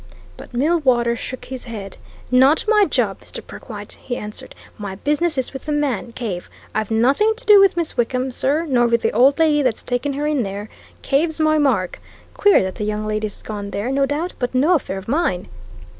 But Millwaters shook his head. "Not my job, Mr. Perkwite!" he answered. "My business is with the man Cave! I've nothing to do with Miss Wickham, sir, nor with the old lady that's taken her in there. Cave's my mark! Queer that the young lady's gone there, no doubt, but no affair of mine."